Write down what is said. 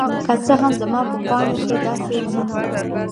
که څه هم زما په پاڼو کې داسې څه نه وو.